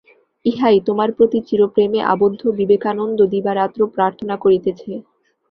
ইহাই তোমার প্রতি চিরপ্রেমে আবদ্ধ বিবেকানন্দ দিবারাত্র প্রার্থনা করিতেছে।